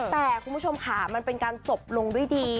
แต่คุณผู้ชมค่ะมันเป็นการจบลงด้วยดี